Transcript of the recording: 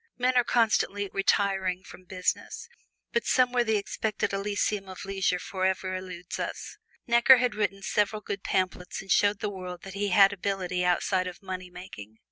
Men are constantly "retiring" from business, but someway the expected Elysium of leisure forever eludes us. Necker had written several good pamphlets and showed the world that he had ability outside of money making.